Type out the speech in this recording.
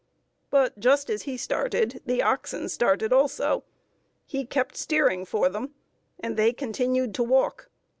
But just as he started, the oxen started also. He kept steering for them; and they continued to walk.